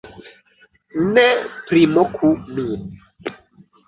- Ne primoku min